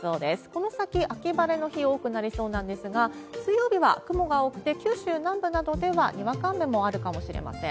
この先、秋晴れの日多くなりそうなんですが、水曜日は雲が多くて、九州南部などではにわか雨もあるかもしれません。